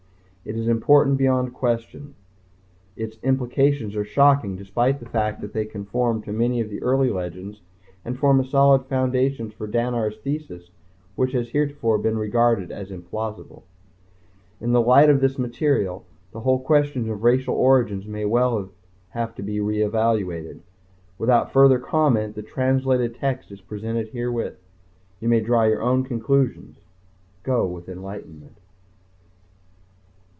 Its importance is beyond question. Its implications are shocking despite the fact that they conform to many of the early legends and form a solid foundation for Dannar's Thesis which has heretofore been regarded as implausible. In the light of this material, the whole question of racial origins may well have to be reevaluated. Without further comment, the translated text is presented herewith. You may draw your own conclusions. Go with enlightenment.